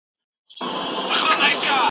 نو د نبي امت مې ولي زيروينه